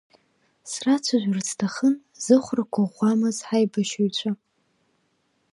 Срацәажәарц сҭахын зыхәрақәа ӷәӷәамыз ҳаибашьыҩцәа.